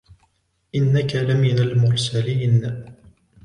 إنك لمن المرسلين